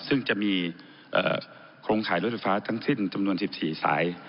ซึ่งจะมีโครงข่ายรถไฟฟ้าทั้งสิ้นจำนวน๑๔สาย